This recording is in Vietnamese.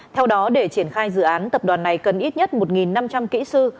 theo đó để triển khai dự án tập đoàn này cần ít nhất một năm trăm linh kỹ sư